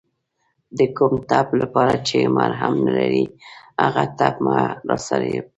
د کوم ټپ لپاره چې مرهم نلرې هغه ټپ مه راسپړه